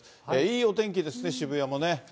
いいお天気ですね、渋谷もね。